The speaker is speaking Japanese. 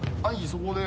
そこで。